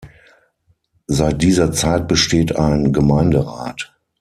Seit dieser Zeit besteht ein Gemeinderat.